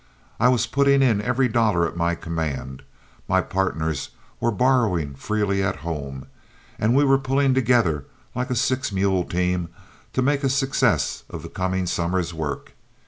I was putting in every dollar at my command, my partners were borrowing freely at home, and we were pulling together like a six mule team to make a success of the coming summer's work.